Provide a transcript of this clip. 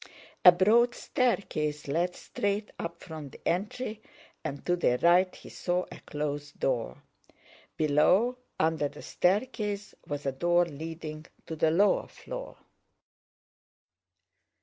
A broad staircase led straight up from the entry, and to the right he saw a closed door. Below, under the staircase, was a door leading to the lower floor.